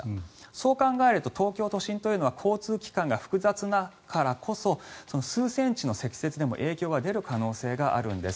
そう考えると東京都心というのは交通機関が複雑だからこそ数センチの積雪でも影響が出る可能性があるんです。